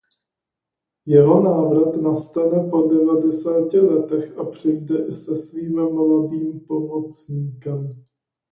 Jeho návrat nastane po devadesáti letech a přijde i se svým mladým pomocníkem.